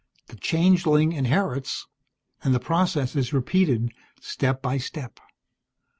The changeling inherits, and the process is repeated, step by step.